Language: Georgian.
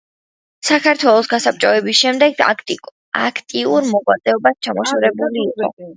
საქართველოს გასაბჭოების შემდეგ აქტიურ მოღვაწეობას ჩამოშორებული იყო.